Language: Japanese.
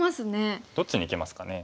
どっちにいきますかね。